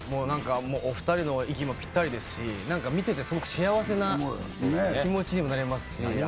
お二人の息もぴったりですし、見ててすごく幸せな気持ちにもなれますし。